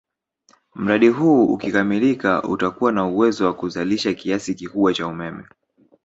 Mradi huu ukikamilika utakuwa na uwezo wa kuzalisha kiasi kikubwa cha umeme